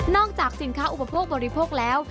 จากสินค้าอุปโภคบริโภคแล้ว